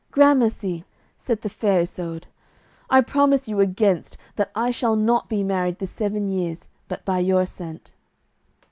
"Grammercy," said the Fair Isoud, "and I promise you against that I shall not be married this seven years but by your assent."